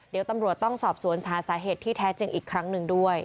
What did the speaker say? เดี๋ยวตำรวจต้องสอบสวนหาสาเหตุที่แท้จริงอีกครั้งหนึ่งด้วย